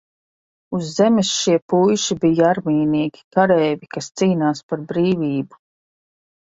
Uz Zemes šie puiši bija armijnieki, kareivji, kas cīnās par brīvību.